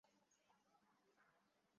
সে কী এখনো উঠেনি?